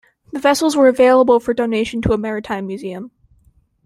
The vessels were available for donation to a maritime museum.